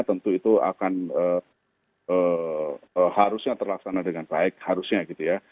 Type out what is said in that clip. tentu itu akan harusnya terlaksana dengan baik harusnya gitu ya